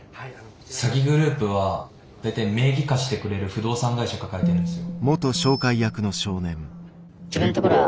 詐欺グループは大体名義貸してくれる不動産会社抱えてんですよ。